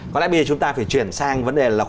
có lẽ bây giờ chúng ta phải chuyển sang vấn đề là